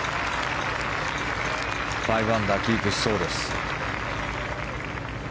５アンダーをキープしそうです。